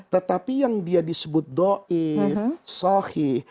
tetapi yang dia disebut do'if shohih